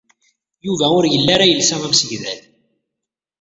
Yuba ur yelli ara yelsa amsegdal.